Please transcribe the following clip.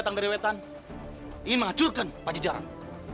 karena kalian sudah kuanggap sebagai sahabat sekarang